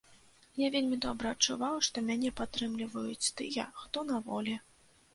Я вельмі добра адчуваў, што мяне падтрымліваюць тыя, хто на волі.